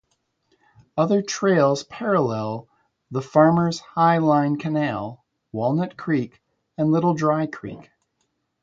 Other trails parallel the Farmers' High Line Canal, Walnut Creek, and Little Dry Creek.